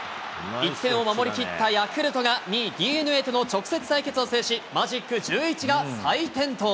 １点を守り切ったヤクルトが２位ＤｅＮＡとの直接対決を制し、マジック１１が再点灯。